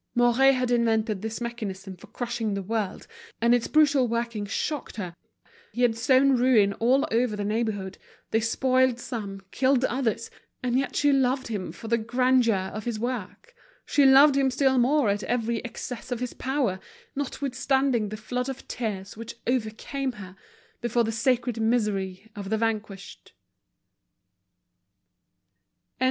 Mouret had invented this mechanism for crushing the world, and its brutal working shocked her he had sown ruin all over the neighborhood, despoiled some, killed others; and yet she loved him for the grandeur of his work, she loved him still more at every excess of his power, notwithstanding the flood of tears which overcame her, before the sacred misery of the vanquished.